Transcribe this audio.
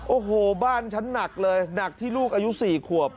โอ้โหบ้านฉันหนักเลยหนักที่ลูกอายุ๔ขวบ